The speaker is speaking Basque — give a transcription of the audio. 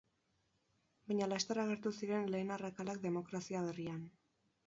Baina laster agertu ziren lehen arrakalak demokrazia berrian.